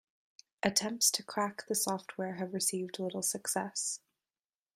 Attempts to "crack" the software have received little success.